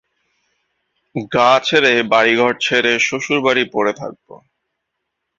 গাঁ ছেড়ে বাড়িঘর ছেড়ে শ্বশুরবাড়ি পড়ে থাকব!